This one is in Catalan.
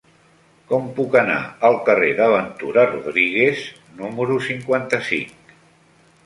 Com puc anar al carrer de Ventura Rodríguez número cinquanta-cinc?